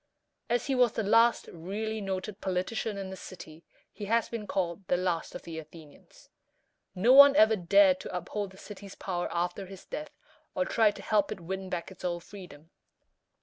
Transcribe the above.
As he was the last really noted politician in the city, he has been called the "Last of the Athenians." No one ever dared to uphold the city's power after his death, or tried to help it win back its old freedom.